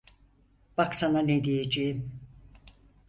Bak, sana ne diyeceğim.